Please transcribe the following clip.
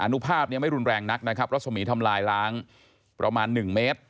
นุภาพไม่รุนแรงนักนะครับรัศมีร์ทำลายล้างประมาณ๑เมตร